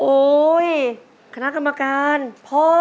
โอ้ยคณะกรรมการพ่อ